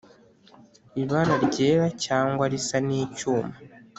ibara ryera cyangwa risa n'icyuma